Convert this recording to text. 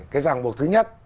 cái ràng buộc thứ nhất